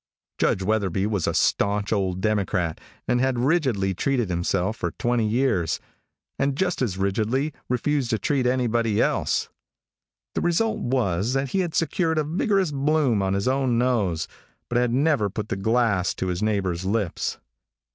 Judge Wetherby was a staunch old Democrat and had rigidly treated himself for twenty years, and just as rigidly refused to treat anybody else. The result was that he had secured a vigorous bloom on his own nose, but had never put the glass to his neighbor's lips.